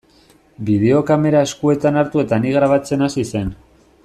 Bideokamera eskuetan hartu eta ni grabatzen hasi zen.